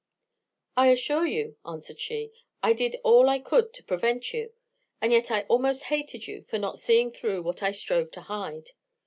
"I assure you," answered she, "I did all I could to prevent you; and yet I almost hated you for not seeing through what I strove to hide.